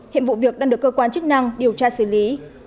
hiện vụ việc đang được cơ quan chức năng điều tra xử lý